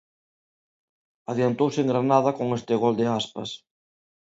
Adiantouse en Granada con este gol de Aspas.